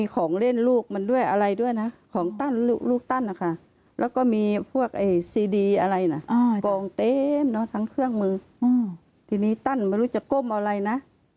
กองเต็มเนอะทั้งเครื่องมืออืมทีนี้ตั้นไม่รู้จะก้มอะไรน่ะ